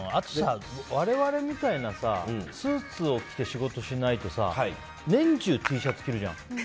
我々みたいなスーツを着て仕事しないと年中Ｔシャツ着るじゃん。